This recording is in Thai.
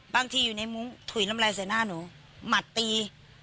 บางทีอยู่ในมุ้งถุยน้ำลายใส่หน้าหนูหมัดตี